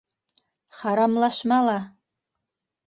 Харамлашма ла!